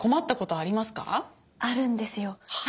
あるんですよ。